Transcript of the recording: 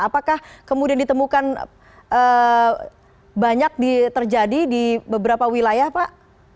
apakah kemudian ditemukan banyak terjadi di beberapa wilayah pak